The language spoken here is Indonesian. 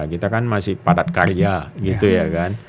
kita kan masih padat karya gitu ya kan